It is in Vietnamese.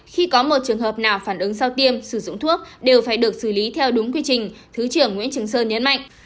khi có một trường hợp nào phản ứng sau tiêm sử dụng thuốc đều phải được xử lý theo đúng quy trình thứ trưởng nguyễn trường sơn nhấn mạnh